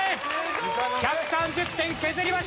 １３０点削りました！